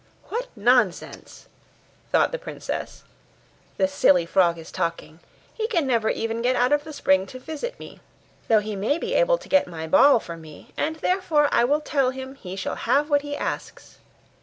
'What nonsense,' thought the princess, 'this silly frog is talking! He can never even get out of the spring to visit me, though he may be able to get my ball for me, and therefore I will tell him he shall have what he asks.